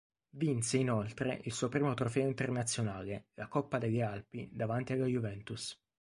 Vinse, inoltre, il suo primo trofeo internazionale, la Coppa delle Alpi davanti alla Juventus.